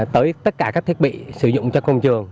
tới tất cả các thiết bị sử dụng cho công trường